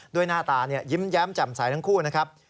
หน้าตายิ้มแย้มแจ่มใสทั้งคู่นะครับ